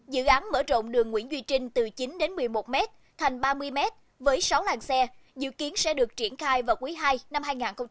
dự án mở rộng đường nguyễn duy trinh từ chín đến một mươi một m thành ba mươi m với sáu làng xe dự kiến sẽ được triển khai vào quý ii năm hai nghìn hai mươi